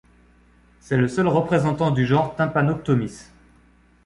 C'est le seul représentant du genre Tympanoctomys.